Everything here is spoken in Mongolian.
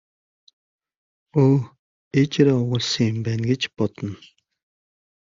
Өө ээжээрээ овоглосон юм байна гэж бодно.